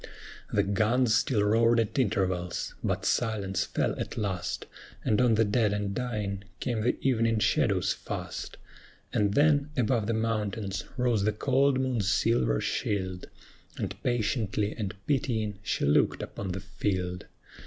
The guns still roared at intervals; but silence fell at last, And on the dead and dying came the evening shadows fast. And then above the mountains rose the cold moon's silver shield, And patiently and pitying she looked upon the field.